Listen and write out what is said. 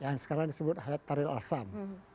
yang sekarang disebut haith tahrir al sam